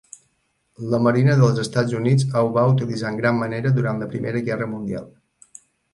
La marina dels Estats Units ho va utilitzar en gran manera durant la Primera Guerra Mundial.